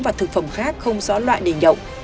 và thực phẩm khác không rõ loại để nhậu